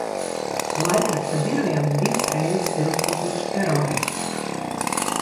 Laikraksta birojam divas reizes ir uzbrukuši teroristi.